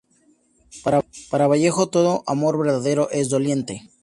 Para Vallejo todo amor verdadero es doliente.